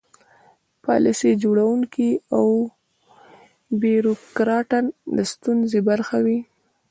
پالیسي جوړوونکي او بیروکراټان د ستونزې برخه وي.